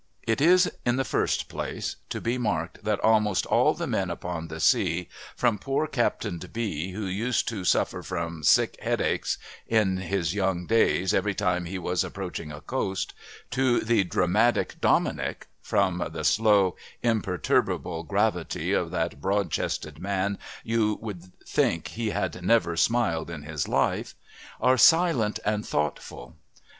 It is, in the first place, to be marked that almost all the men upon the sea, from "poor Captain B , who used to suffer from sick headaches, in his young days, every time he was approaching a coast," to the dramatic Dominic ("from the slow, imperturbable gravity of that broad chested man you would think he had never smiled in his life"), are silent and thoughtful.